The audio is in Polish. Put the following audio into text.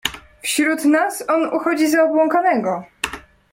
"Wśród nas on uchodzi za obłąkanego."